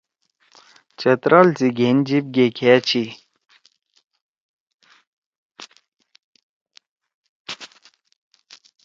چترال سی گھین جیِب گیکھأ چھی۔